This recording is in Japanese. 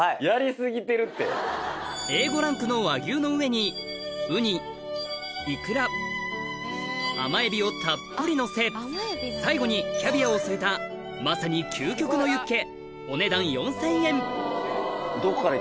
Ａ５ランクの和牛の上にウニいくら甘エビをたっぷりのせ最後にキャビアを添えたまさに究極のユッケいや